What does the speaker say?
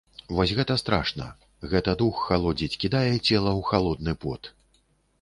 Вось гэта страшна, гэта дух халодзіць, кідае цела ў халодны пот.